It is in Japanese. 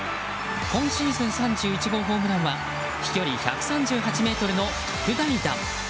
今シーズン３１号ホームランは飛距離１３８ｍの特大弾。